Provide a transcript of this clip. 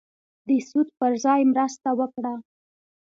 د سود پر ځای مرسته وکړه.